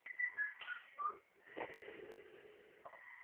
Las reformas del saneamiento han mejorado mucho la calidad de sus aguas.